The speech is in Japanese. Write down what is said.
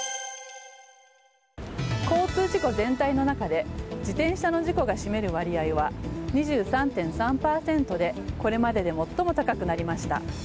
交通事故全体の中で自転車の事故が占める割合で２３．３％でこれまでで最も高くなりました。